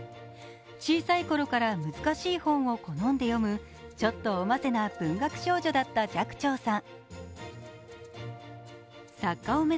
小さい頃から難しい本を好んで読むちょっとおませな文学少女だった寂聴さん。